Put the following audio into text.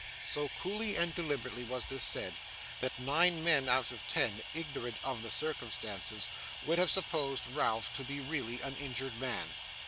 So coolly and deliberately was this said, that nine men out of ten, ignorant of the circumstances, would have supposed Ralph to be really an injured man.